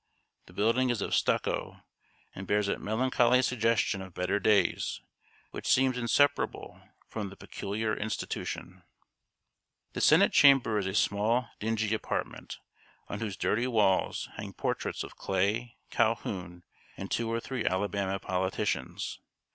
The building is of stucco, and bears that melancholy suggestion of better days which seems inseparable from the Peculiar Institution. The senate chamber is a small, dingy apartment, on whose dirty walls hang portraits of Clay, Calhoun, and two or three Alabama politicians.